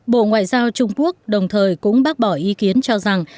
bộ ngoại giao trung quốc đồng thời cũng bác bỏ ý kiến cho rằng